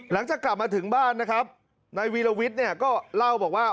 หลังจากกลับมาถึงบ้านนะครับนายวีรวิทย์เนี่ยก็เล่าบอกว่า